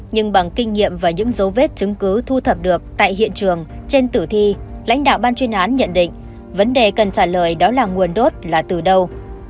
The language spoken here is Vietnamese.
nhưng bằng kinh nghiệm và những dấu vết chứng cứ thu thập được tại hiện trường trên tử thi lãnh đạo ban chuyên án nhận định vấn đề cần trả lời đó là nguồn đốt là từ đâu